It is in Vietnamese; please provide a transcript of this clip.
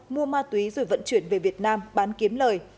mua ma túy rồi vận chuyển về việt nam bán kiếm lời